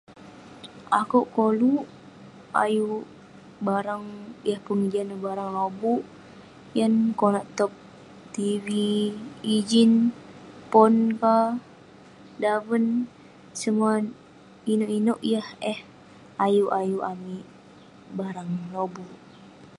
Akouk koluk ayuk barang- yah pengejian neh barang lobuk yan konak tog tv, ijin, pon ka, daven. Semuah inouk inouk yah eh ayuk ayuk amik barang lobuk.